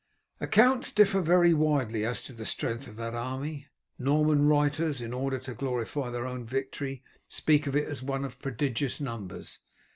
Accounts differ very widely as to the strength of that army. Norman writers, in order to glorify their own victory, speak of it as one of prodigious numbers.